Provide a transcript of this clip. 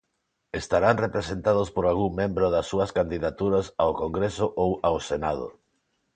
Estarán representados por algún membro das súas candidaturas ao Congreso ou ao Senado.